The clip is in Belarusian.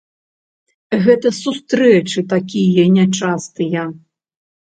Гэта сустрэчы такія нячастыя.